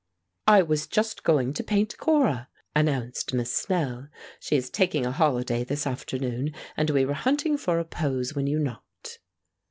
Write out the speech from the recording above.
"I was just going to paint Cora," announced Miss Snell. "She is taking a holiday this afternoon, and we were hunting for a pose when you knocked."